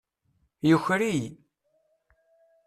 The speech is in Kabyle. Yuker-iyi.